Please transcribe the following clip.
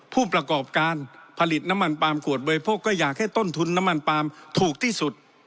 ผู้ประกอบการผลิตน้ำมันปลามขวดบริโภคก็อยากให้ต้นทุนน้ำมันปาล์มถูกที่สุด